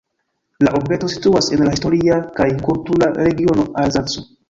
La urbeto situas en la historia kaj kultura regiono Alzaco.